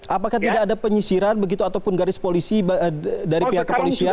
apakah tidak ada penyisiran begitu ataupun garis polisi dari pihak kepolisian